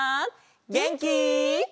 げんき？